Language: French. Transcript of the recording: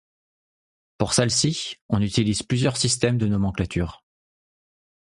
Pour celles-ci, on utilise plusieurs systèmes de nomenclature.